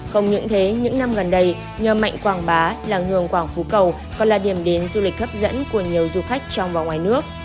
không những thế những năm gần đây nhờ mạnh quảng bá làng hương quảng phú cầu còn là điểm đến du lịch hấp dẫn của nhiều du khách trong và ngoài nước